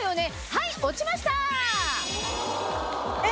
はい落ちました！